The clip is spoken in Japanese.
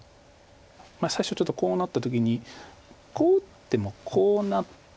最初ちょっとこうなった時にこう打ってもこうなって。